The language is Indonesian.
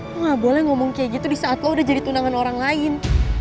lo gak boleh ngomong kayak gitu disaat lo udah jadi tunangan orang lain